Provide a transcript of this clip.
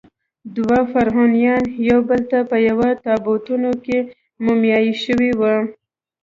دوه فرعونیان یوبل ته په تابوتونو کې مومیایي شوي وو.